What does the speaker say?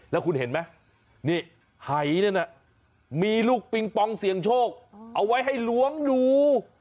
แล้วคุณเห็นไหมนี่หายนั่นน่ะมีลูกปิงปองเสี่ยงโชคเอาไว้ให้ล้วงดู